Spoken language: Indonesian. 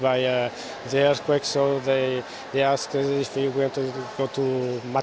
apakah kita bisa memiliki pesawat secepat mungkin untuk kembali ke bali atau jakarta atau ke tempat lain untuk pulang kembali ke rumah